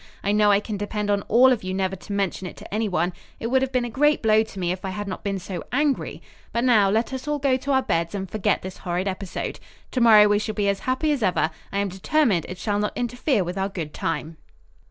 I know I can depend on all of you never to mention it to anyone. It would have been a great blow to me if I had not been so angry; but now let us all go to our beds and forget this horrid episode. To morrow we shall be as happy as ever. I am determined it shall not interfere with our good time."